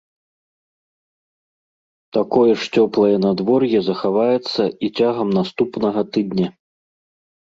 Такое ж цёплае надвор'е захаваецца і цягам наступнага тыдня.